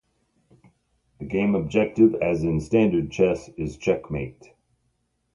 The game objective, as in standard chess, is checkmate.